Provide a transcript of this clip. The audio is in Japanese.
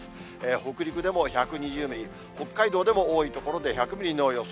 北陸でも１２０ミリ、北海道でも多い所で１００ミリの予想